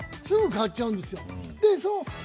すぐ買っちゃうんですよ。